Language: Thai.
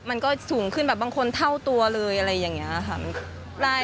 มันก็สูงขึ้นแบบบางคนเท่าตัวเลยอะไรอย่างนี้ค่ะ